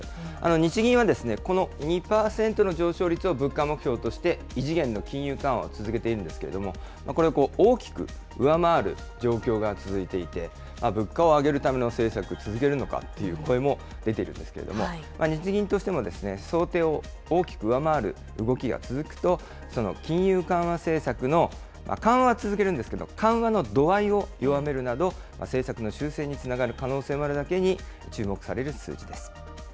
日銀は、この２％の上昇率を物価目標として異次元の金融緩和を続けているんですけれども、これを大きく上回る状況が続いていて、物価を上げるための政策続けるのかという声も出てるんですけれども、日銀としても、想定を大きく上回る動きが続くと、その金融緩和政策の緩和は続けるんですけど、緩和の度合いを弱めるなど、政策の修正につながる可能性もあるだけに、注目される数字です。